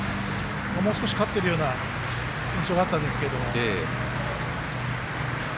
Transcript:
もう少し勝ってるような印象があったんですけれども。